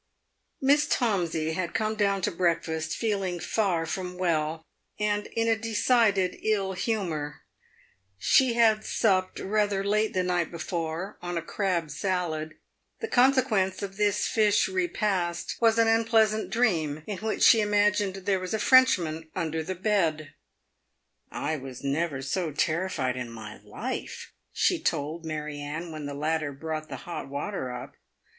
M!iss Tomsey had come down to breakfast, feeling far from well, and in a decided ill humour. She had supped rather late the night before on a crab salad. The consequence of this fish repast was an unpleasant dream, in which she imagined there was a Frenchman under the bed. " I never was so terrified in my life," she told Mary Anne when the latter brought the hot water up.